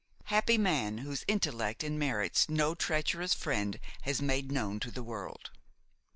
Happy man, whose intellect and merits no treacherous friend has made known to the world!